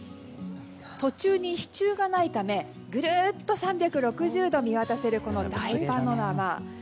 途中に支柱がないためぐるっと３６０度見渡せる大パノラマ。